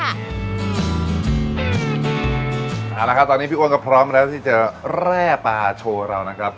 เอาละครับตอนนี้พี่อ้วนก็พร้อมแล้วที่จะแร่ปลาโชว์เรานะครับ